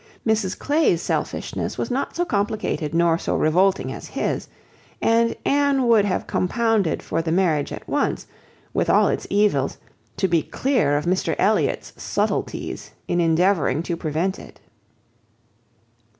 Mrs Clay's selfishness was not so complicate nor so revolting as his; and Anne would have compounded for the marriage at once, with all its evils, to be clear of Mr Elliot's subtleties in endeavouring to prevent it.